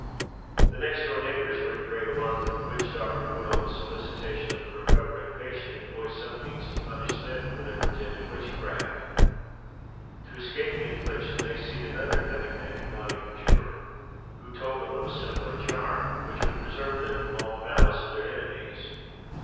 The next door neighbours were in great alarm that the witch doctor would, on the solicitation of the recovering patient, employ some means to punish them for their pretended witchcraft. To escape the infliction, they feed another cunning man, in Nottinghamshire, who told them of a similar charm, which would preserve them from all the malice of their enemies.